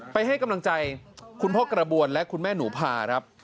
ให้กำลังใจคุณพ่อกระบวนและคุณแม่หนูพาครับ